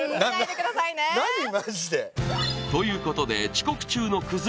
マジでということで遅刻中のクズ